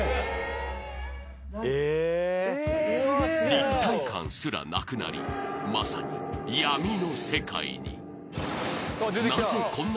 ［立体感すらなくなりまさに闇の世界に］